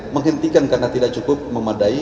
menghentikan karena tidak cukup memadai